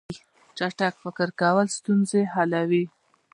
چټک فکر کول ستونزې حلوي.